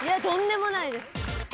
とんでもないです。